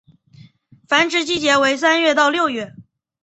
繁殖季节为三月至六月。